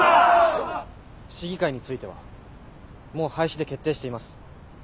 市議会についてはもう廃止で決定しています。